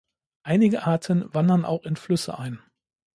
Einige Arten wandern auch in Flüsse ein.